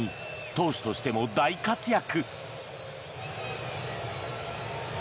投手としても大活躍。